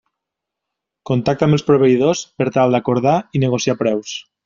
Contacta amb els proveïdors per tal d'acordar i negociar preus.